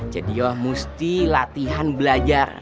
cediyoh mesti latihan belajar